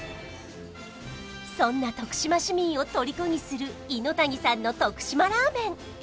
そんな徳島市民を虜にするいのたにさんの徳島ラーメン